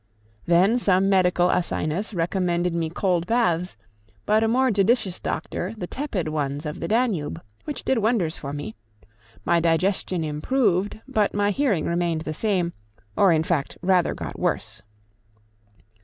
Then some medical asinus recommended me cold baths, but a more judicious doctor the tepid ones of the Danube, which did wonders for me; my digestion improved, but my hearing remained the same, or in fact rather got worse.